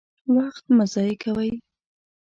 وخت مه ضايع کوئ!